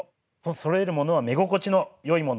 そろえるものは目心地のよいものを。